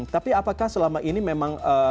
tapi apakah selama ini memang